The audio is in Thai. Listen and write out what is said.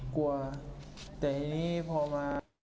กลัวอะไรฮะกลัวแต่ทีนี้พอมา